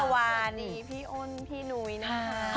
สวัสดีพี่อ้นพี่หนุยนะค่ะ